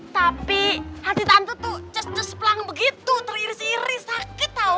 tapi hati tante tuh cus cus pelang begitu teriri siri sakit tau